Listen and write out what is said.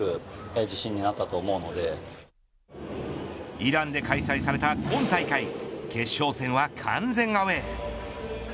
イランで開催された今大会決勝戦は完全アウェー。